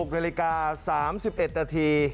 ๖นาฬิกา๓๑นาที